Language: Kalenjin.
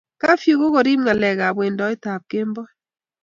kafyu ko kigorib ngalek ab ke wendat eng kemboi